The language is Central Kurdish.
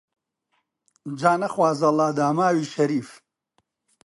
جا نەخوازەڵا داماوی شەریف